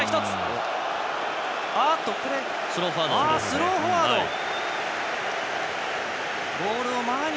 スローフォワードですね。